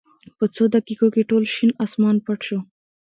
په څو دقېقو کې ټول شین اسمان پټ شو.